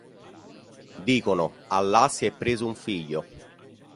Dicono: “Allah si è preso un figlio”.